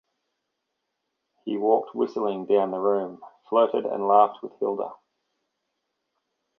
He walked whistling down the room, flirted and laughed with Hilda.